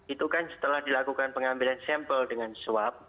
itu kan setelah dilakukan pengambilan sampel dengan swab